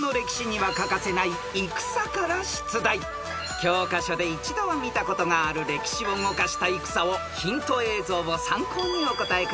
［教科書で一度は見たことがある歴史を動かした戦をヒント映像を参考にお答えください］